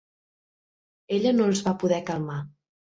Ella no els va poder calmar.